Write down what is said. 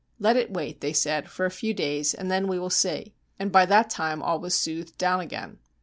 'Let it wait,' they said, 'for a few days, and then we will see;' and by that time all was soothed down again.